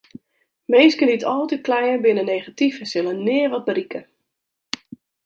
Minsken dy't altyd kleie binne negatyf en sille nea wat berikke.